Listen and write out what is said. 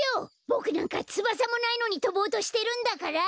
ボクなんかつばさもないのにとぼうとしてるんだから！